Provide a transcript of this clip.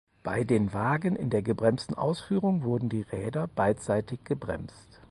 Bei den Wagen in der gebremsten Ausführung wurden die Räder beidseitig gebremst.